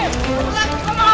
mas apaan tuh itu